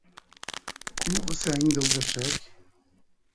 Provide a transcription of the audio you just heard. Como assim você ainda usa cheque?